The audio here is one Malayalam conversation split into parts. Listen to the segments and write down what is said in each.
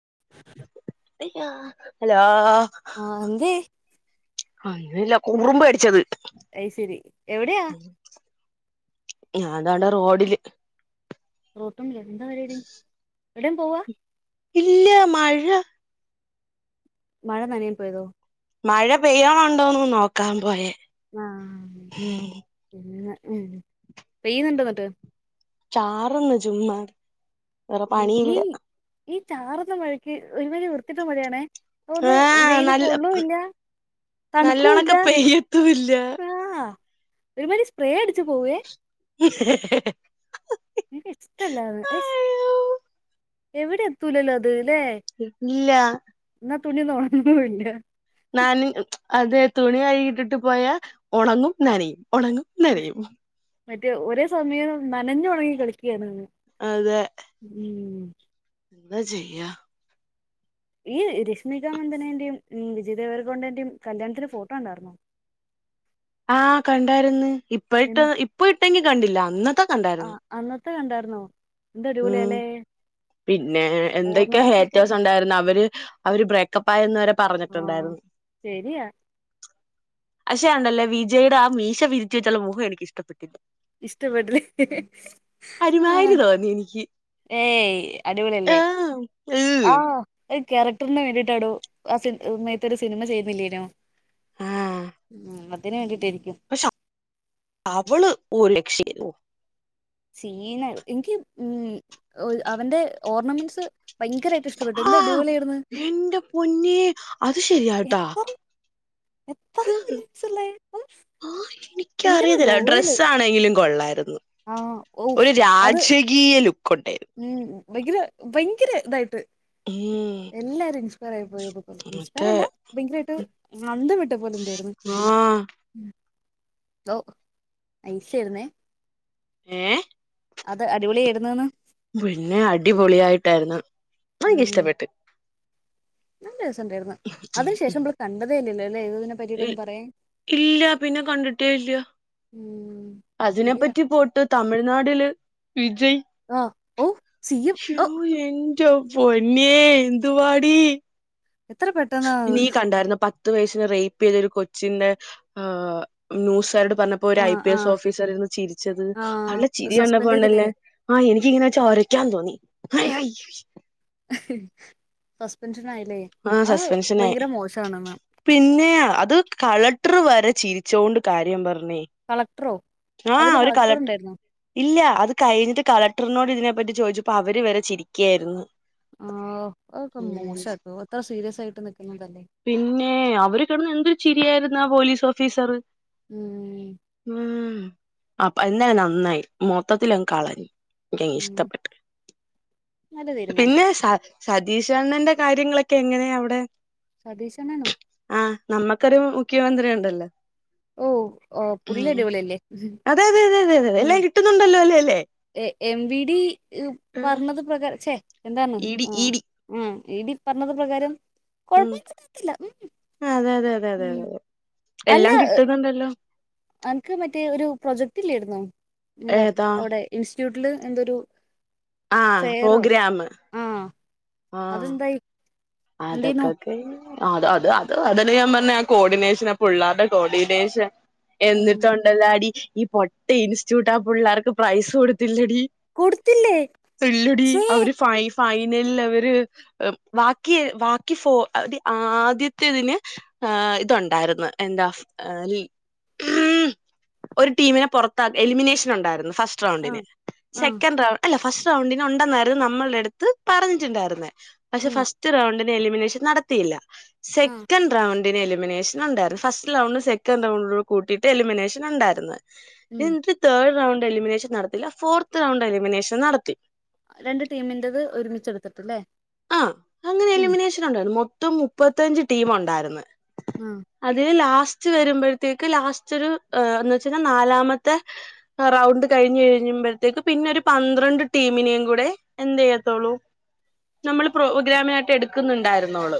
[unintelligible] ഹലോ ആ എന്തേ [inaudible] ഉറുമ്പ് കടിച്ചത് ഐ്ശരി എവിടെയാ ഞാതാടെ റോഡില് റോട്ടില്ല എന്താ പരുപടി ഇല്ല മഴ മഴ നനയാൻ പോയതോ മഴ പെയ്യണുണ്ടോന്ന് നോക്കാൻ പോയേ ആ ഉം പിന്ന ഉം പെയ്യുന്നുണ്ടോ എന്നട്ട് ചാറുന്ന ചുമ്മാ വേറെ ഉം ഈ പണിയില്ല ഈ ചാർന്ന മഴയ്ക്ക് ഒരു മാതിരി വൃത്തികെട്ട മഴയാണേ ഒന്ന് ആഹ് വെയില് നല്ല കൊള്ളുല്ല തണുക്കൂല്ല നല്ലോണൊക്കെ പെയ്യത്തുല്ല ആ ഒരു മാതിരി സ്പ്രേ അടിച്ചു പോവേ [unintelligible] എനിക്ക ഇഷ്ടല്ലാ [inaudible] എവിടെ എത്തൂലല്ലോ അത് ഇല്ല തുണി ഒന്ന് ഉണങ്ങൂല നാന അതെ തുണി കഴികിട്ടിട്ട് പോയാ ഉണങ്ങും നനയും ഉണങ്ങും നനയും മറ്റേ ഒരേ സമയം നനഞ്ഞ ഉണങ്ങി കളിക്കുകയാണ് അതെ ഉം എന്താ ചെയ്യാ ഈ രശ്മികാ മന്ദനന്റെയും ഉം വിജയ് ദേവർകോണ്ടന്റെയും കല്യാണത്തിന് ഫോട്ടോ കണ്ടയിരുന്നോ [unintelligible] ആഹ് കണ്ടായിരുന്നു ഇപ്പ ഇട്ട ഇപ്പ ഇട്ടെങ്കി കണ്ടില്ല അന്നത്തെ ആ കണ്ടായിരുന്നു അന്നത്തെ കണ്ടായിരുന്നോ എന്ത ഉം അടിപൊളിയല്ലേ പിന്നെ എന്തൊക്കെയോ ഹെയറ്റേഴ്സ് ഉണ്ടായിരുന്നു അവര് അവര് ബ്രേക്കപ്പ് ആയിെന്ന് വരെ ആ പറഞ്ഞിട്ടുണ്ടായിരുന്നു ശരിയാ പക്ഷേണ്ടല്ലേ വിജയുടെ ആ മീശ പിരിച്ച വെച്ചുള്ള മുഖം എനക്ക് ഇഷ്ടപ്പെട്ടില്ല ഇഷ്ടപ്പെട്ടില്ല ആഹ് ഒരുമാതിരി തോന്നി എനിക്ക് ഏയ് അടിപൊളില്ലേ ആഹ് ഏഹ് ആഹ് ഒരു ക്യാരക്ടറിന് വേണ്ടിട്ടടോ ആ സമയത്ത ഒരു സിനിമ ചെയ്യുന്നില്ലേനോ ആഹ് ഉം അത്തിന് വേണ്ടിട്ടയി പക്ഷെ [inaudible] അവള് ഒരു രക്ഷയില്ല സീനയി എനിക്ക് ഉം അവന്റെ ഓർണമെന്റ്സ് ഭയങ്കരമായിട്ട് ഇഷ്ടപ്പെട്ടു എന്ത് ആഹ് അടിപൊളിയായിരുന്നു എന്റെ പൊന്നെ അത് ശരിയാട്ടാ. എത്ര എത്ര ഹ് ഹ് ഉള്ളേ ഉം, ആഹ് ഭയങ്കര എനിക്കറിയത്തില്ല റോയല് ഡ്രസ്സാണെങ്കിലും. കൊള്ളായിരുന്നു ആ ഓഫ് ഒരു രാജകീയ ലുക്ക് ഉണ്ടായി ബൈങ്കര ഭയങ്കര ഇതായിട്ട് ഉം എല്ലാരും ഇൻസ്പയറായി [unintelligible] അതെ ഇൻസ്പറല്ല ബൈ ങ്കരായിട്ട് അന്തം വിട്ട പോലെ ണ്ടേര്ന്നു. ആഹ് ഓഹ് ഐഷേര്ന്നെ? ഏ. അത് അടിപൊളിയേര്ന്ന് ന്ന്. പിന്നെ അടിപൊളിയായിട്ടേര്ന്ന് ഉം പ്പൻക്ക്ശ്ട്ടപ്പെട്ട്. നല്ല രസംണ്ടേര്ന്ന് അതിനു ശേഷം മ്പൾ കണ്ടതേല്ല്യല്ലോ? ഇൽ ഇല്ല പിന്നെ കണ്ടിട്ടേ ല്ല്യ. ഉം അതിനെ ശരിയാ പറ്റി പോയിട്ട് തമിഴ്നാടില്. വിജയ് ആ ഓ സി എം ശൊ ഓ എൻ ന്റെ പോന്നെന്തുവാടി. എത്ര പെട്ടെന്ന ഹ്. ത്ത് വയസിന് റേപ്പയ്ത ഒരു കൊച്ചിന്റെ ഹ് ഏ ന്യൂസാര്ടെ പറഞ്ഞപ്പോ ഒര് ആ ഐ പി ആ എസ് ഓഫീസർര്ന്ന് ചിരിച്ചത് ആ ഹ് ആളെ ചിരി സസ്പെൻഡ് ചെയ്തില്ലേ കപ്പോണ്ടല്ലേ എനിക്കിങ്ങനെ ക്കന്തോന്നി ഹയ് ഹയ് ശ് അഹ്. സസ്പ ആ സസ്പെൻഷനായി മോശമാണെന്ന് പിന്നെ അത് കള ട്ട്ർ വരെ ചിരിച്ചൊണ്ട് കാര്യം പറ മ്മേ കളക്ടറോ ആ അതില് ഒര് കളക്ടർ കളക്ട്ട് ഉണ്ടായിരുന്നോ ഇല്ല്യ അത് കഴിഞ്ഞിട്ട് കളക്ടറിനോട് ഇതിനെപ്പറ്റി ചോദിച്ചപ്പോ അവര് വരെ ചിരിക്ക്യേയിരുന്നു. ആഹ് അത്ക്കെ മോശാട്ടോ അത്ര സീരിയസ് ആയിട്ട് ന് പിന്നെ അവര് കെടന്ന് എന്തൊരു ചിരിയായിരുന്ന് ആ പോലീസ് ഓഫീസർ. ഉം ഉം. അപ്പ എന്നാ നന്നായി മൊത്തത്തിലങ് കളഞ്ഞ്. ഏ ഉം ഇഷ്ട്ടപ്പെട്ട് നല്ല തീരുമാനം പിന്നെ സാ സതീഷണ്ണന്റെ കാര്യങ്ങളൊക്കെ എങ്ങനെ അവിടെ? ശതീശണ്ണനൊ? ആ നമ്മക്കൊരു മുഖ്യമന്ത്രി ഉണ്ടല്ലോ. ഓ ഓ പുള്ളി ഉം അടിപൊളില്ലേ ഹ് അതെ അതെ അതെ അതെ അതെ എല്ലാം മ്. കിട്ടുന്നുണ്ടല്ലോ അല്ലേ അല്ലേ എ എം വി ഡി പർഞ്ഞത് പ്രകാരം ച്ചേ. എന്താണ് ഇഡി ആ ഇഡി ആ ഈഡി പറഞ്ഞത് പ്രകാരം. ഉം കുഴപ്പമില്ല പറ്റില്ല ഉം അതെ അതെ അതെ അതെ എല്ലാം കിട്ടുന്നുണ്ടല്ലോ. അൻക്ക് മറ്റേ ഒരു പ്രൊജക്റ്റില്ലേര്ന്നോ ന്താ ഏതാ അവിടെ യു ട്ടില് എന്തോരു. ആപോഗ്രാമ്. അതെന്തായി? എന്തേനു അതക്കക്കെഞ്. അത അത്‌ അത് അതെന്നെ ഞാൻ പർഞ്ഞേ ആ കോഡിനേഷൻ പുള്ളാര്ടെ കോഡിനേഷൻ. ഉം. എന്നിട്ടൊണ്ടല്ലാടി ഈ പൊട്ട ഇൻസ്റ്റ്യൂട്ട് ആ പുള്ളേർക്ക് പ്രൈസ് കൊടുത്തില്ലടി. കൊടുത്തില്ലേ ഇല്ലടി ഛേ. അവര് ഫൈ ഫൈനല്ലവര് ഹ് വാ ക്യെ ബാക്കി ഫോ അത്‌ ആദ്യത്തതിന് ഏ തുണ്ടായിരുന്നു എന്താ ഏ. ഈ [inaudible] ഒരു ടീമിനെ പൊറത്താ എലിമിനേഷൻ ഉണ്ടായിരുന്നു ഫസ്റ്റ് ആ റൗണ്ടിന് ആ സെക്കൻ റൗ അല്ല ഫസ് റൗണ്ടി ഉണ്ടെന്നായിരുന്നു നമ്മൾടെടുത്ത് പറഞ്ഞിട്ടുണ്ടായിരുന്നേ പക്ഷെ ഉം ഫസ്റ്റ് റൗണ്ടിന് എലിമിനേഷൻ നടത്തിയില്ല ആ സെക്കൻ് റൗൺ ന് എലിമിനേഷൻ ണ്ടായിരുന്നു ഫസ്റ്റ് റൗണ്ട് സെക്കൻഡറ് റൗണ്ട കൂട്ടിട്ട് എലിമിനേഷൻണ്ടായിരുന്നു ഉം എന്നിട്ട് തേർഡ് റൗണ്ട് എലിമിനേഷൻ നടത്തില്ല ഫോർത്ത് റൗണ്ട് എലിമിനേഷൻ നടത്തി രണ്ട് ടീമിറ്റത് ഒരുമിച്ച് എടുത്തിട്ട്ല്ലേ ആ അങ്ങനെ എലിമിനേഷൻ ഉണ്ടായിരുന്നു മൊത്തം മുപ്പത്തഞ്ച് ടീമ് ഉണ്ടായിര്ന്ന് ആ അത് ലാ ലാസ്റ്റ് വരുമ്പോഴത്തേക്ക് ലാസ്റ്റ് ഒരു എ എന്നുച്ചന്നാൽ നാലാമത്തെ റൗണ്ട് കഴിഞ്ഞ് കഴിഞ്ഞ കിയുമ്പോഴത്തേക്ക് പിന്നെ ഒരു പന്ത്രണ്ട് ടീമിനേും കൂടെ എന്തയത്തൊള്ളൂ [inaudible] നമ്മള് പ്രോഗ്രാമ ആയിട്ട് എടുക്കുന്നുണ്ടായിരുന്നോളു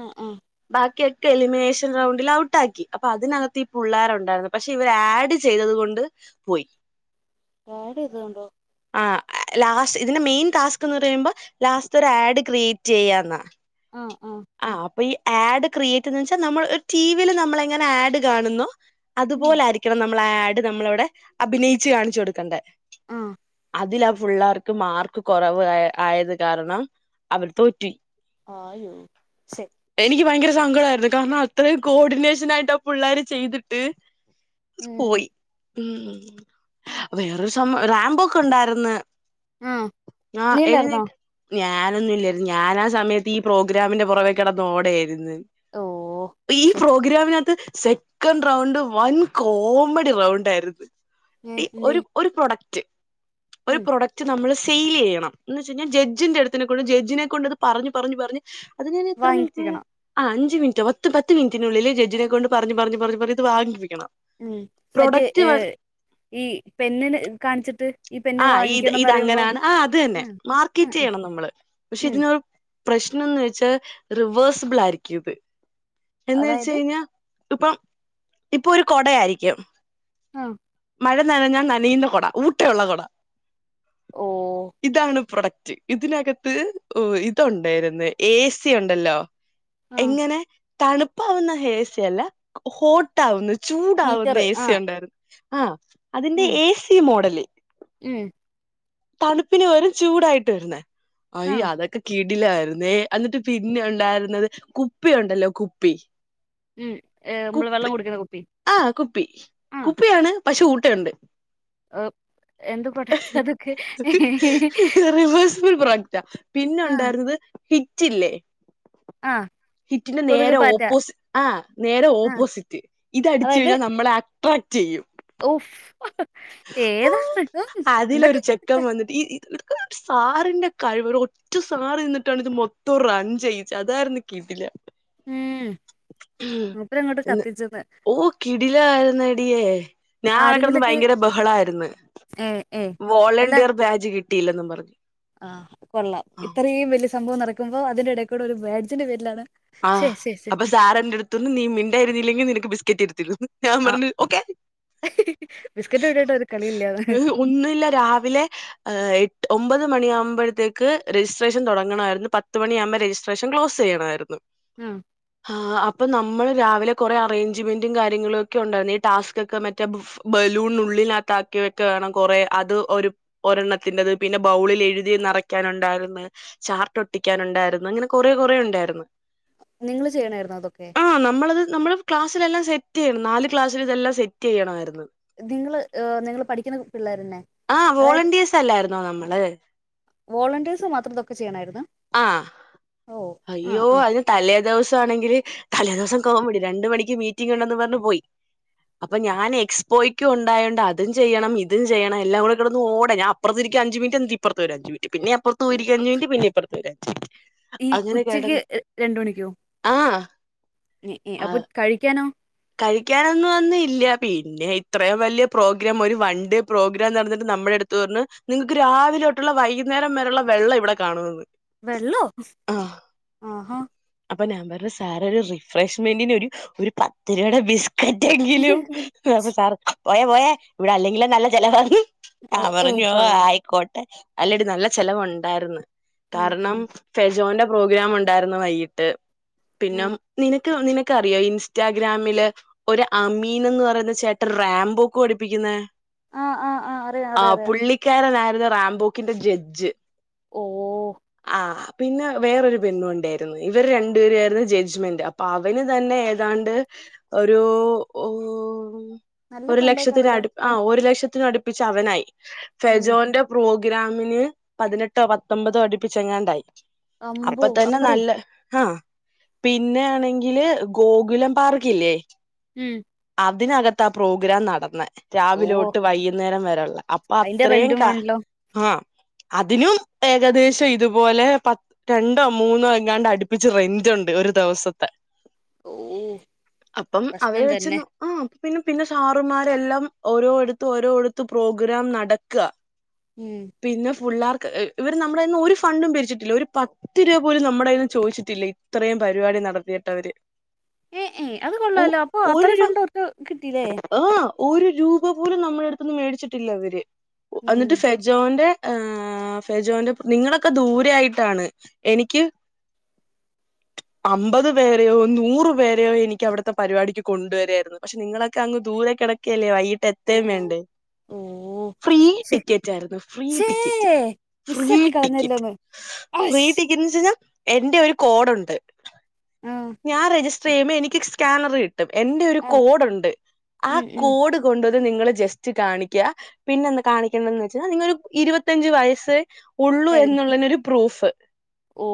ആ ആ ബാക്കി എലിമിനേഷൻ റൗണ്ടിൽ ഔട്ട്ക്കി അപ്പൊ അതിനകത്തി ഈ പിള്ളേരു ഉണ്ടായിരുന്നു പക്ഷെ ഇവര് ആഡ് ചെയ്തത് കൊണ്ട് പോയി പാ ഡ് എതണ്ടോ [unintelligible] ആ ലാസ്റ്റ് ഇതിന്റെ മെയിൻ ടാസ്ക് എന്ന് പറയുമ്പോ ലാസ്റ്റ് ഒഒരു ആഡ് ക്രിയേറ്റ് ചെയ്യാന്നാ ആ അപ്പൊ ഈ ആഡ് ക്രിയേറ്റ്ന്ന് വെച്ചാൽ നമ്മൾ ടി വിയിൽ നമ്മള എങ്ങനെ ആഡ് കാണുന്നുോ ഉം അതുപോല ആയിരിക്കണം ന ആഡ് നമ്മളട് നമ്മളവിടെ അഭിനയിച്ച് കാണിച്ചു കൊടുക്കണ്ടേ അ അതില് ആ പിള്ളേർക്ക് മാർക്ക് കുറവ് അ ആയത് കാരണം അവർ തോറ്റ് ആയോ ശെ നിക്ക് ഭയങ്കര സങ്കടമായിരുന്നു കാരണം അത്രയും കോർഡിനേഷൻ ആയിട്ട് ആ പിള്ളേർ ചെയ്തിട്ട് ഉം പോയി ഉം അപ്പൊ വേറൊരു സം റാമ്പൊക്കെ ഉണ്ടായിന്ന്. ആ നീയുണ്ടാരുന്നോ ഞാനൊന്നുല്ലായിരുന്നു ഞാൻ ആ സമയത്ത് ഈ പ്രോഗ്രാമിന്റെ പുറവേക്കെടന്ന് ഓടയിരുന്നു ഓ ഈ ശെ പ്രോഗ്രാമിനകത്ത് സെക്കൻഡ് റൗണ്ട് വൻ കോമഡി റൗണ്ടായിരുന്നു ഏ ഇ എന്തേ ഒരു ഒരു പ്രൊഡക്റ്റ് ഒരു ഉം പ്രൊഡക്റ്റ് നമ്മള് സെയില്ലെയ്യണം എന്ന് വെച്ച കഴിഞ്ഞാ ജഡ് ന്റെടുെ കൊണ്ട് ജഡ്ജിനെ കൊണ്ട്ത് പറു പറഞ് പറഞ്ഞു അത് ഞാൻ എത്ര മിനിറ്റ് വാങ്ങിപ്പിക്കണം അ അഞ്ചു അഞ് മിനിറ്റ് പത്തു പത്ത് മിനറ്റിനുള്ളിൽ ജഡ്ജിനെ കൊണ്ട് പറഞ്ഞ് പറഞ്ഞ് പറഞ്ഞ് പറഞ്ഞ് ത് വാങ്ങിപ്പിക്കണം ഉം മറ്റേ ഏ പ്രൊഡക്റ്റ് ഈ പെന്ന്ന്ന് കാണിച്ചിട്ട് ഈ പെന് വാങ്ങിക്കണന്ന് പറയുമ്പോ ത് തന്നെ ഉം ആഹ് മാർക്കറ്റ് ആഹ് ചെയ്യണംമ്മള് പക്ഷെ ഉം ഇതിനൊ പ്രശ്നന്ന് വെച്ചാൽ റിവേഴ്സ്ബിളായിരിക്കരുത് എന്ന് വെച്ച് അതായത് കഴിഞ്ഞാ ഇപ്പം ഇപ്പൊ ഒരു കൊടയായിരിക്കും ആ മഴ നനഞ്ഞൽ നനയുന്ന കുട ഊട്ടയുള്ള കുട ഓ ഇതാണ് പ്രൊഡക് ഇതിനകത്ത് ഇതണ്ടായിരുന്നു ഏ സി ഉണ്ടല്ലോ ആഹ് എങ്ങനെ തണുപ്പാവുന്ന ഹേസ്യല്ല ഹോട്ടാവുന്നു ചൂടാവുന്ന ഹീറ്ററ് ഏ സി ആഹ് ണ്ടായിരുന്നു ആ അതിന്റെ ഉം ഏ സി മോഡല് ഉം തണുപ്പിന് വരു ചൂടായിട്ട് വരുന്നേ അയ്യ ആഹ് അതൊക്കെ കീ ഇലായിരുന്നെ എന്നിട്ട് പിന്നെ ഉണ്ടായിരുന്നത് കുപ്പി ഉണ്ടല്ലോ കുപ്പി ഉം നമ്മള് വെള്ളം കുപ്പി കുടിക്കുന്ന കുപ്പി അ കുപ്പി കുപ്പിയാണ് പക്ഷെ ഊട്ടണ്ട് എ എന്ത് പ്രൊടക് ത് അ [unintelligible] യഫുൾ പ്രോഡക്റ്റ് ആ പിന്നെണ്ടായിരുന്നത് ഹിറ്റ് ഇല്ലേ അ ഹിറ്റിന്റെ നേരെ ഓപ്പോസിറ്റ് അ നേരെ ആഹ് ഓപ്പോസിറ്റ് ഇതടിച്ചു അതായത് കഴിഞ്ഞാൽ നമ്മള ആ ട്രാക്ക് ചെയ്യൂ ഓഫ് ഏതാ അതിലൊരു എന്തൊക്കെ പ്രൊഡക്റ്റാ ചെക്കൻ വന്നിട്ട് ഈ സാറിന്റെ കഴിവ് റ്റു സാറി നിന്നിട്ടാണ് ഇത് മൊത്തം റൺ ചെയ്യിച്ചത് അതായിരുന്നു കിടിലം ഉം മൂപ്പര് അങ്ങോട്ട് കത്തിച്ച ഓ കിടിലായിരുന്നടിയേ ഞാൻ അവി കിടന്ന് ആരെങ്കിലൊക്കെ ഭയങ്കര ഏ ഏ വോളണ്ടിയർ ബാജ് കിട്ടിയില്ലെന്നും പറഞ്ഞു ആഹ കൊള്ളാം ഇത്രയും വലിയ സംഭവം നടക്കുമ്പോ അതിന്റെ ഇടക്കൂടെ ഒരു ആഹ് ശെരി ശരി അപ്പൊ സാർ എന്റെറ അടുത്തന്ന് നീ മിണ്ടായിരുന്നില്ലെങ്കിൽ നിനക്ക് ബിസ്ക്കറ്റ് എടുത്തി ഞാൻ ആ പറഞ്ഞു ഓക്കെ ബിസ്ക്കറ്റ് ഇട്ടിട്ട് ഒരു കളിയില്ലാന്ന് ഒന്നില്ല രാവിലെ എട്ട് ഒമ്പത് മണിയകുമ്പോഴത്തേക്ക് രജിസ്ട്രേഷൻ തുടങ്ങണമായിരുന്നു പത്ത് മണിയകുമ്പോ രജിസ്ട്രേഷൻ ക്ലോസ് ചെയ്യണമായിരുന്നു ആഹ അപ്പൊ നമ്മൾ രാവിലെ കുറേ അറേഞ്ച്മെന്റും കാര്യങ്ങളും ഒക്കെ ഉണ്ടായിരുന്നു ഈ ടാസ്ക്ഒക്കെ മറ്റേ ളിൽ ആക്കിക്കക്കെ വേണം കുറ അത് ഒരെണ്ണത്തിത് പിന്നെ ബൗ എഴുതി നിറയ്‌ [inaudible] ക്കാനുണ്ടായിന്ന് ചാർട്ട് ഒട്ടിക്കാന ഉണ്ടായിരുന്നു അങ്ങനെ കൊറേ കൊറേ ഉണ്ടായിരുന്നു നിങ്ങള്ൾ ചെയ്യണമായിരുന്നു അതൊക്കെ ആഹ് നമ്മളത് നമ്മള് ക്ലാസിലല്ല സെ ചെയ്യണം നല് ക്ലാസ്സൽ ഇതൊം സെ ചെയ്യണമായിരുന്നു നിങ്ങള് നിങ്ങള്ൾ പഠിക്കുന്ന പിള്ളേരന്നെ ആഹ് അതായത് വോളണ്ടിയേഴ്സ് അല്ലായിരുന്നോ നമ്മള് വോളണ്ടിയേഴ്സ് മാത്രതൊക്കെ ചെയ്യണായിരുന്നു ആഹ ആ അയ്യോ ആ അതിന് തലേ ദിവസം ആണെങ്കില് തലേ ദിവസം കോവ മേടി രണ്ടു മണിക്ക് മീറ്റിംഗ ഉണ്ടന്ന് പറഞ്ഞ് പോയി അപ്പൊ ഞാൻ എക്സ്പോയ്ക്കും ഉണ്ടായോണ്ട് അതും ചെയ്യണം ഇതും ചെയ്യണം എല്ലാം കൂടെ കടന്ന് ഓട ഞാൻ അപ്പർത്തി അഞ്ച് മിനിറ്റ് ഇപ്പുറ ഒരു അഞ് മിനിറ്റ് പിെ അപ്പറത്തുംരിക്കക്ക് അഞ്ച് മിനിറ്റ് പിന്നെ ഇുറത്തെ ഒരു അഞ്ച് മിനറ്റ് ഈ അങ്ങനെ ഉച്ചക്ക് കേടന്ന് രണ്ട് മണിക്കോ ആഹ ഏ, ഏ, അപ്പൊ ആഹ കഴിക്കാനോ കഴിക്കാനൊന്നും വന്ന ഇല്ല പിന്നെ ഇത്രയും വലിയ പ്രോഗ്രാം ഒരു വൺ ഡേ പ്രോഗ്രാം നടന്നിട്ട് നമ്മുടെ അടുത്ത് പറഞ് നിങ്ങൾക്ക് രാവിലെ തോട്ടുള്ള വൈകുന്ന നേരം വേലുള്ള വെള്ളം ഇവിടെ കാണുന്ന്‌ വെള്ളോ ആഹഹോ അപ്പൊ ഞാൻ പറഞ്ഞ സാർ ഒരു റിഫ്രഷ്മെന്റിന് ഒരു ഒരു പത്ത് രൂയുടെ ബിസ് കറ്റെങ്കിലും അപ്പൊ സാർ പോയ പോയ ഇവിടെ അല്ലെങ്കിലും നല്ല ചിലവ ആ ഏ ഏ, പറഞ്ഞോ കൊള്ളാം ആയിക്കോട്ടെ അല്ലടി നല്ല ചെിലവുണ്ടായിന്ന് ഉം കാരണം ജോന്റെ പ്രോഗ്രാം ഉണ്ടായിരുന്നു വൈകിട്ട് പിന്ന ഉം നിന നിനക്ക അറിയോ ഇൻസ്റ്റാഗ്രാമില് ഒരു അമീൻ എന്ന് പറയുന്ന ചേട്ട റാംമ്പോക്ക് പഠിപ്പിക്കുന്ന ആ ആ ആ ആ അറിയാം അറിയാം ആ അറിയാം പുള്ളിക്കാരനായിുന്ന റാംബോക്കിന്റെ ജഡ്ജ് ഓ ആഹ് പിന്നെ വേറൊരു പെണ്ുണ്ടായിരുന്നു ഇവർ രണ്ടു പേരമായിരുന്നു ജഡ്ജ്മെൻറ് അപ്പൾ അവന് തന്നെ ഏതാണ്ട് ഒരു നല്ല ഒരു ഫണ്ടേക്കാണല്ലോ ലക്ഷത്തിനടു ആ ഒരു ലക്ഷത്തിനടുപ്പിച്ച് അവനായി ഉം ഫെജോന്റെ പ്രോഗ ഗ്രാമിന് പതിനെട്ടോ പത്തൊമ്പതോ അടുപ്പിച്ചെങ്ങാണ്ടായി അമ്പോ അപ്പൊ തന്നെ അത്രയും നല്ല ആഹ പിന്നെ ആണെങ്കില് ഗോകുലം പാർക്കല്ലേ ഉം അതിനകത്ത് ആ പ്രോഗ്രാം നടന്ന ഓ രാവിലെോട്ട് വൈകുന്നേരം വരെെയുള്ള അപ്പൊ അയിന്റെ അത്രയും റെന്റും ക വേണല്ലോ ആ അതിനും ഏകദേശം ഇതുപോലെ പത് രണ്ടോ മൂന്നോ എങ്ങാണ്ട് അടിപ്പിച്ച് റെന്റ് ഉണ്ട് ഒരു ദിവസത്തെ ഓ അപ്പം പ്രശ്നം അവരെ തന്നെ വെച്ചരുന്നു ആഹ പിന്നെ പിന്നെ സാറുമാരെല്ലാം ഓരോടുത്ത് ഓരോടുത്ത പ്രോഗ്രാം നടക്കുക ഉം പിന്നെ പിള്ളേർക്ക് ഇവര് നമ്മുടെന്നും ഒരു ഫണ്ടും പിരിച്ചിട്ടില്ല ഒരു പത്ത് രൂപ പോലും നമ്മുടെന്ന് ചോദിച്ചിട്ടില്ല ഇത്രയും പരിപാടി നടത്തിയിട്ട് അവര്. ഏ ഏ അത് കൊള്ളാലോ. അപ്പൊ അത്രയും ഫണ്ട് ഒരു കിട്ടീല്ലേ? ആ ഒരു രൂപ പോലും നമ്മുടെ അടുത്തന്ന് മേടിച്ചിട്ടില്ല അവര്. ഉം അന്നിട്ട് ഫെജോന്റെ ആ ഫെജോന്റെ നിങ്ങളൊക്കെ ദൂരെ ആയിട്ടാണ്. എനിക്ക് [unintelligible] അമ്പത് പേരെയോ നൂറ പേരെയോ എനിക്ക് അവിടുത്തെ പരിപാടിക്ക് കൊണ്ടുവരായിരുന്നു. പക്ഷെ നിങ്ങളൊക്കെ അങ്ങ് ദൂര കിടക്കല്ലേ വൈകിട്ട് എത്തയും ആഹ് വേണ്ടേ? ഓ ഫ്രീ ശേ ടിക്കറ്റ് ആയിരുന്നു. ഫ്രീ ശേ ടിക്കറ്റ് ഫ്രീ മിസ്സാക്കി ടിക്കറ്റ്. കളഞ്ഞല്ലോന്ന് ഫ്രീ അശ് ടിക്കറ്റ് എന്ന് വച്ച് കഴിഞ്ഞാൽ എന്റെ ഒരു കോഡുണ്ട്. ആഹ് ഞാൻ ര യ്യുമ്പം എനിക്ക് സ്കാനർ കിട്ടും. എന്റെ ഒരു ആഹ് കോഡ് ഉണ്ട്. ആ ഉം ഉം കോഡ് കൊണ്ട് നിങ്ങള് ജസ്റ്റ് കാണിക്കുക പിന്നെ എന്ത കാണിക്കന്ന് വെച്ചാൽ നിങ്ങ ഇരുപത്തിഞ്ചു വയസ്സ് ഉള്ളൂ കഴിഞ്ഞു എന്നുള്ള ഒരു പ്രൂഫ് ഓ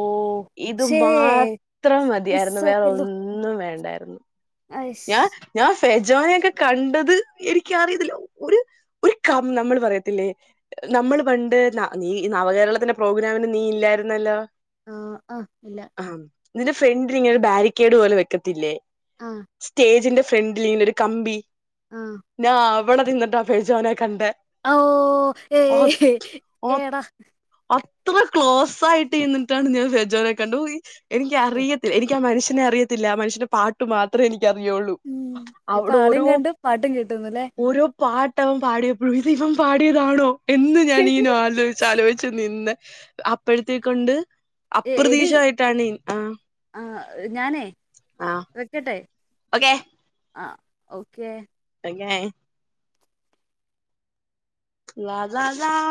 ഇതും ശേ മാത്രം തിയാരുന്നു വേറെ മിസ്സാക്കിയല്ലോ ഒന്നും വേണ്ടായിരുന്നു. അയ്ശ് ഞാ ഞാ- ഫെജോനൊക്കെ കണ്ടത് എനിക്കറി യത്തില്ല ഒരു ഒരു കം നമ്മൾ പറയത്തില്ലേ നമ്മൾ പണ്ട് ന നീ നവകേരളത്തിന്റെ പ്രോഗ്രാമിന് നീ ഇല്ലായിരുന്നല്ലോ? ആ ആ ഇല്ല. ആ നിന്റെ ഫ്രണ്ടിൽ ഇങ്ങനെ ഒരു ബാരിക്കേഡ് പോലെ വെക്കത്തില്ലേ? ആ സ്റ്റേജിന്റെ ഫ്രണ്ടിലിങ്ങനെ ഒരു കമ്പി ആഹ് ഞാൻ അവിടെ നിന്നിട്ട് ഫേജോനെ കണ്ടേ. ഓ ഏ ഏടാ- എത്ര ക്ലോസ് ആയിട്ട് നിന്നിട്ടാണ് ഞാൻ ഫെജോനെ കണ്ടു. എനിക്ക ശേ റിയത്തില്ല എനിക്കാ മനുഷ്യ അറിയത്തില്ല. മനുഷ്യന്റെ പാട്ട് മാത്രം എനിക്ക് റിയുള്ളൂ. ഉം ഇപ്പൊ അവിടെ ആളെയും ഓരോ കണ്ട് പാട്ടും കേട്ടുന്നുല്ലേ ഓരോ പാട്ടവൻ പാടിയപ്പോഴും ഇത് ഇവൻ പാടിയതാണോ എന്ന് ഞാനിങ്ങനെ ആലോചിച്ച് ആലോചിച്ചു നിന്ന്. അപ്പോഴത്തെക്കൊണ്ട് എ എടി അപ്രതീക്ഷ ആയിട്ടാണ് ആ ആ ഞാനേ ആ വെക്കട്ടെ. ഓക്കെ ആ ഓക്കെ. കണേ ളാളാള